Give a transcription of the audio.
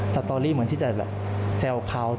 สตอรี่เหมือนที่จะแบบแซวเขา